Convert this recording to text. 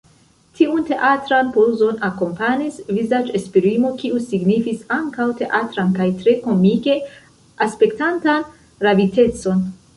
Tiun teatran pozon akompanis vizaĝesprimo, kiu signifis ankaŭ teatran kaj tre komike aspektantan ravitecon.